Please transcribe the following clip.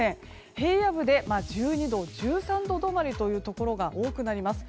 平野部で１２度、１３度止まりというところが多くなります。